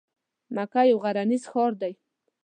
مکه یو غرنیز ښار دی.